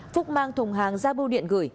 phúc mang thùng hàng ra bưu điện gửi